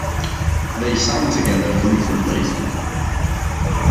They sang together frequently.